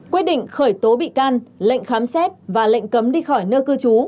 quyết định khởi tố bị can lệnh khám xét và lệnh cấm đi khỏi nơi cư trú